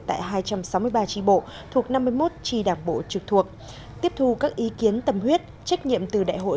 tại hai trăm sáu mươi ba tri bộ thuộc năm mươi một tri đảng bộ trực thuộc tiếp thu các ý kiến tâm huyết trách nhiệm từ đại hội